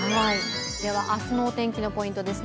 では明日のお天気のポイントです。